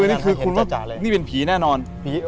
นี่มันเป็นผีแน่นอน